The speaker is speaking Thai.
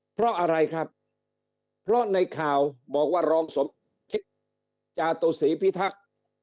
เพราะอะไรครับเพราะในข่าวบอกว่ารองสมคิดจาตุศรีพิทักษ์